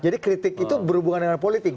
jadi kritik itu berhubungan dengan politik